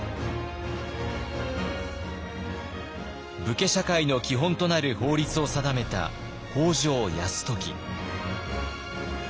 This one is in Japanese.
武家社会の基本となる法律を定めた北条泰時。